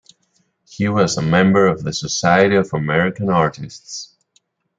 He was a member of the Society of American Artists.